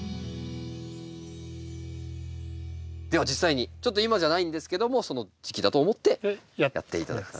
では実際にちょっと今じゃないんですけどもその時期だと思ってやって頂きたいと思います。